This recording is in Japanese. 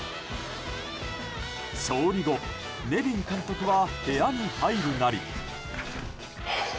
勝利後、ネビン監督は部屋に入るなり。